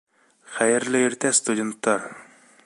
Хәйерле иртә, студенттар!